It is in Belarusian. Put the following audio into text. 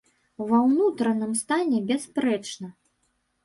Ва ўнутраным стане бясспрэчна.